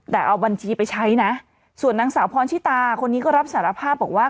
แต่เอาบัญชีไปใช้นะส่วนนางสาวพรชิตาคนนี้ก็รับสารภาพบอกว่า